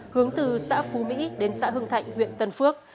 hướng từ xã phú mỹ đến xã hưng thạnh huyện tân phước